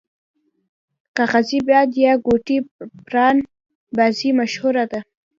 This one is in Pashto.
کاغذی باد یا ګوډی پران بازی مشهوره ده.